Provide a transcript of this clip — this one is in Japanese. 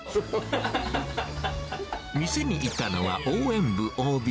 店にいたのは応援部ＯＢ。